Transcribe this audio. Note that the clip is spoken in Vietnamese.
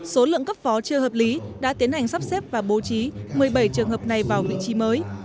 số lượng cấp phó chưa hợp lý đã tiến hành sắp xếp và bố trí một mươi bảy trường hợp này vào vị trí mới